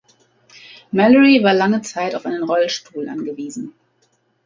Mallory war lange Zeit auf einen Rollstuhl angewiesen.